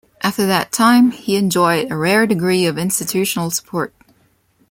After that time, he enjoyed a rare degree of institutional support.